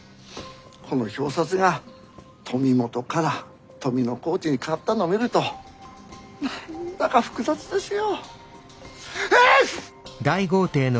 この表札が富本から富小路に変わったのを見ると何だか複雑ですよ。